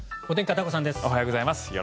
おはようございます。